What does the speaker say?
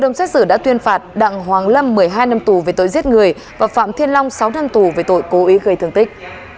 nguyên phạt đặng hoàng lâm một mươi hai năm tù về tội giết người và phạm thiên long sáu năm tù về tội cố ý gây thương tích